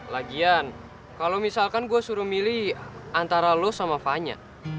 lagian kalau misalkan gue suruh milih antara lo sama fanya